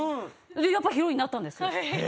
やっぱりヒロインになったんです。